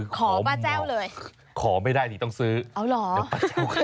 ขอป้าแจ้วเลยขอไม่ได้นี่ต้องซื้อเอาเหรอ